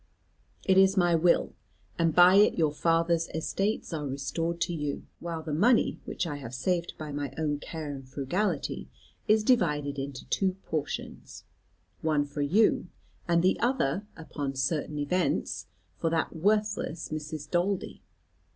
It is my will; and by it your father's estates are restored to you, while the money which I have saved by my own care and frugality is divided into two portions, one for you, and the other, upon certain events, for that worthless Mrs. Daldy.